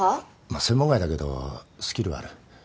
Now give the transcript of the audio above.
まあ専門外だけどスキルはある。